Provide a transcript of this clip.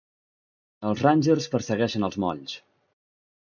Els Rangers persegueixen els molls.